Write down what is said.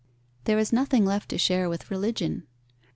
There is nothing left to share with religion.